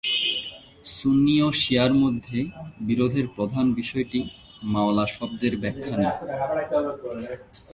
সুন্নি ও শিয়া-র মধ্যে বিরোধের প্রধান বিষয়টি 'মাওলা' শব্দের ব্যাখ্যা নিয়ে।